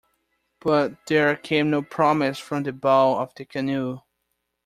But there came no promise from the bow of the canoe.